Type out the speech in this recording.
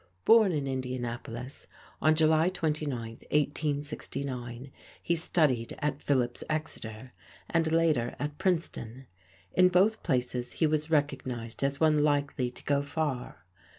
Born in Indianapolis on July 29, 1869, he studied at Phillips Exeter, and later at Princeton. In both places he was recognized as one likely to go far.